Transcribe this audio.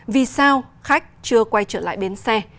vì sao khách chưa quay trở lại bến xe